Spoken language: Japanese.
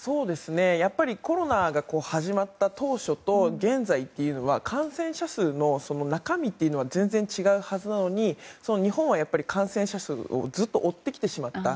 やっぱりコロナが始まった当初と現在は感染者数の中身は全然違うはずなのに日本は感染者数をずっと追ってきてしまった。